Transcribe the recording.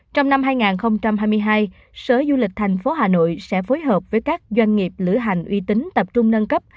trong năm hai nghìn hai mươi hai sở du lịch thành phố hà nội sẽ phối hợp với các doanh nghiệp lửa hành uy tín tập trung nâng cấp